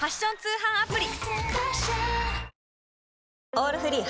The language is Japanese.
「オールフリー」